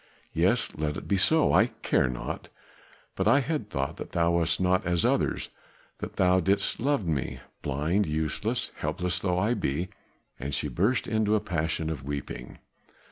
"Yes, let it be so, I care not, but I had thought that thou wast not as others that thou didst love me, blind, useless, helpless though I be," and she burst into a passion of weeping.